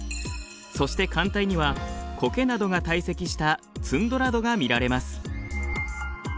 そして寒帯にはコケなどが堆積したツンドラ土が見られます。